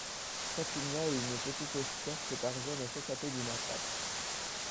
Catugnat et une petite escorte parviennent à s'échapper du massacre.